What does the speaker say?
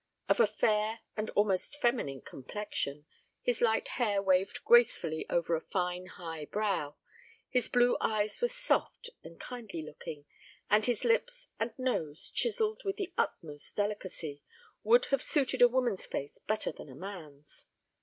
Of a fair and almost feminine complexion, his light hair waved gracefully over a fine high brow, his blue eyes were soft and kindly looking, and his lips and nose, chiselled with the utmost delicacy, would have suited a woman's face better than a man's.